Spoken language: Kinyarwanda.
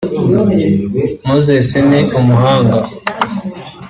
Moses ni umuhanga